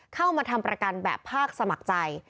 เข้ามาทำประกันแบบภาคสมัครใจ